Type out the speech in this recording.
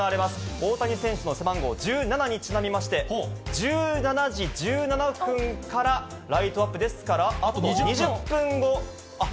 大谷選手の背番号１７にちなみまして、１７時１７分から、ライトアップですから、あと２０分後、あっ。